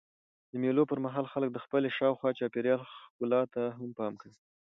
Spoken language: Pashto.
د مېلو پر مهال خلک د خپلي شاوخوا چاپېریال ښکلا ته هم پام کوي.